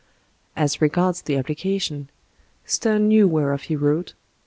As regards the "Application": Steme knew whereof he wrote.